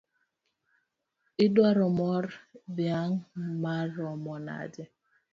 Idwaro mor dhiang’ maromo nade?